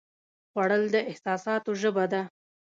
خوړل د احساساتو ژبه ده